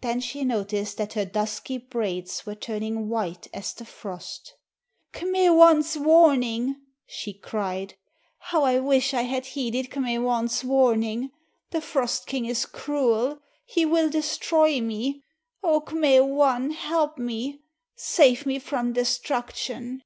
Then she noticed that her dusky braids were turning white as the frost. "K'me wan's warning!" she cried. "How I wish I had heeded K'me wan's warning! The Frost King is cruel. He will destroy me! O K'me wan, help me! Save me from destruction!"